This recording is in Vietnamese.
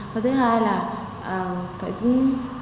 và thứ hai là phải cũng